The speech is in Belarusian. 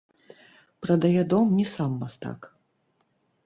Прадае дом не сам мастак.